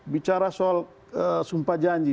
bicara soal sumpah janji